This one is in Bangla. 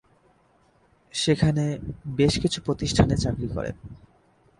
সেখানে বেশ কিছু প্রতিষ্ঠানে চাকরি করেন।